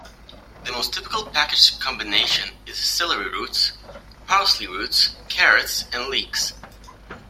The most typical, packaged combination is celery root, parsley root, carrots, and leeks.